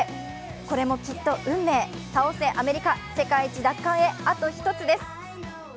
これもきっと運命、倒せアメリカ、世界一奪還へあと一つです。